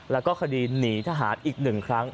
แล้วก็คดีหนีทหารอีก๑ครั้ง